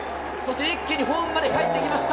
一気にホームまでかえってきました。